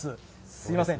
すみません。